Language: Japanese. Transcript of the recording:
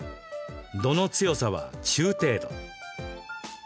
度の強さは中程度。